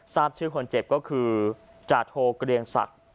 ทราบชื่อคนเจ็บก็คือจาโทเกรียงศักดิ์